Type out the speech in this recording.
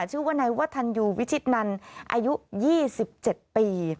ชื่อว่านายวัฒนยูวิชิตนันอายุ๒๗ปี